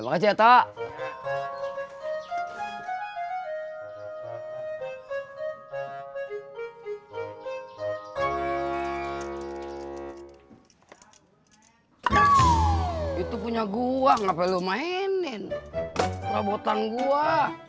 hai itu punya gua ngapain lu mainin robotan gua